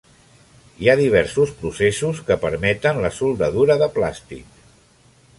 Hi ha diversos processos que permeten la soldadura de plàstics.